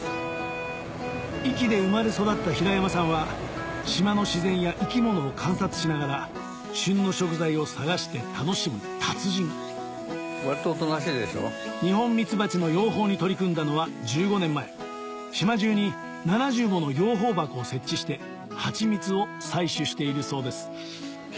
壱岐で生まれ育った平山さんは島の自然や生き物を観察しながら旬の食材を探して楽しむ達人ニホンミツバチの養蜂に取り組んだのは１５年前島中に７０もの養蜂箱を設置してハチミツを採取しているそうです